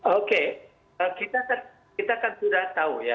oke kita kan sudah tahu ya